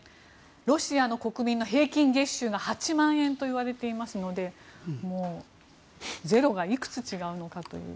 ロシアの国民の平均月収が８万円といわれていますのでゼロがいくつ違うのかと。